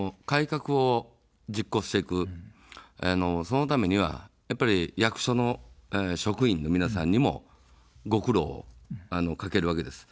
そのためにはやっぱり役所の職員の皆さんにもご苦労をかけるわけです。